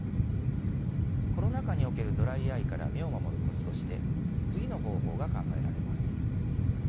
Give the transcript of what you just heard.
コロナ禍におけるドライアイから目を守るコツとして次の方法が考えられます。